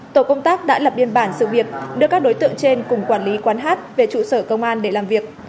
tổ công tác đã lập biên bản sự việc đưa các đối tượng trên cùng quản lý quán hát về trụ sở công an để làm việc